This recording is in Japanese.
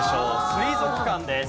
水族館です。